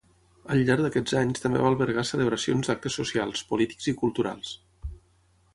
Al llarg d'aquests anys també va albergar celebracions d'actes socials, polítics i culturals.